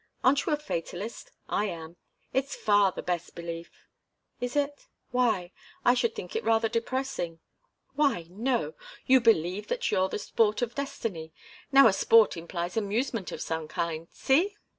Aren't you a fatalist? I am. It's far the best belief." "Is it? Why? I should think it rather depressing." "Why no. You believe that you're the sport of destiny. Now a sport implies amusement of some kind. See?"